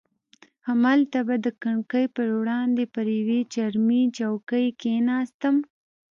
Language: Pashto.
همالته به د کړکۍ پر برابري پر یوې چرمي چوکۍ کښېناستم.